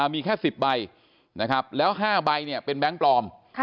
มีแค่๑๐ใบนะครับแล้ว๕ใบเป็นแบงค์ปลอม